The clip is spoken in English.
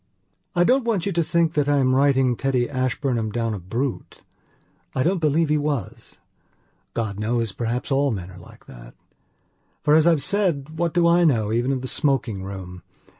'" I don't want you to think that I am writing Teddy Ashburnham down a brute. I don't believe he was. God knows, perhaps all men are like that. For as I've said what do I know even of the smoking room?